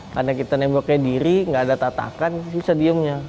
karena kita nembaknya diri gak ada tatakan bisa diemnya